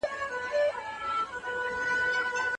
ایا ستا په کمپیوټر کي د غږ ریکارډر کار کوي؟